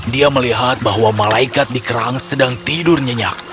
dia melihat bahwa malaikat di kerang sedang tidur nyenyak